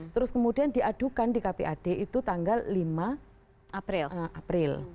terus kemudian diadukan di kpad itu tanggal lima april